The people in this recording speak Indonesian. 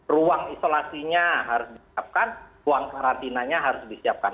ruang isolasinya harus disiapkan ruang karantinanya harus disiapkan